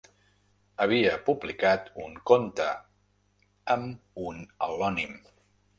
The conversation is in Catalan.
Havia publicat un conte amb un al·lònim.